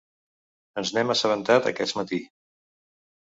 Ens n’hem assabentat aquest matí.